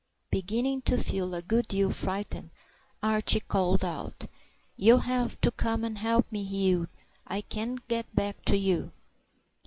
Beginning to feel a good deal frightened, Archie called out, "You'll have to come and help me, Hugh. I can't get back to you."